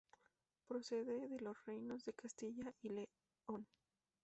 Procede de los reinos de Castilla y León.